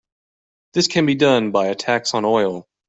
This can be done by a tax on oil.